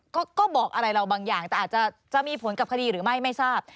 ก็บอกอะไรเราบางอย่างแต่อาจจะมีผลกับคดีหรือไม่ไม่ทราบ